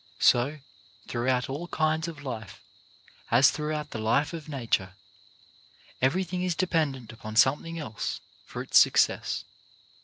So, throughout all kinds of life, as throughout the life of nature, everything is dependent upon something else for its success.